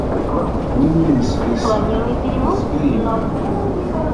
Win ur nesɛi iseɣ, yezga yemmeɣ.